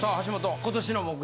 今年の目標。